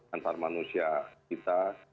antar manusia kita